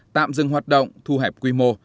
tạm dừng hoạt động thu hẹp quy mô